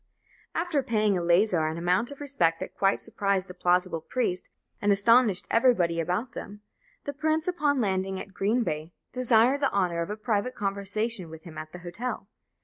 After paying Eleazar an amount of respect that quite surprised that plausible priest, and astonished everybody about them, the prince, upon landing at Green Bay, desired the honour of a private conversation with him at the hotel.